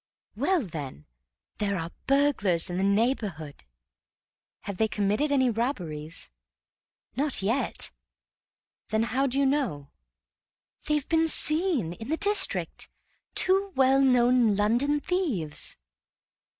"Well, then, there are burglars in the neighborhood." "Have they committed any robberies?" "Not yet." "Then how do you know?" "They've been seen. In the district. Two well known London thieves!"